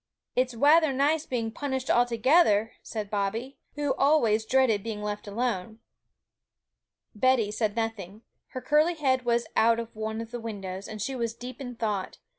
'It's wather nice being punished all together,' said Bobby, who always dreaded being left alone. Betty said nothing; her curly head was out of one of the windows, and she was deep in thought.